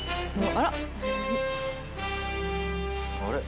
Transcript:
あれ？